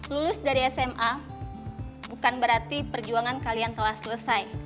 lulus dari sma bukan berarti perjuangan kalian telah selesai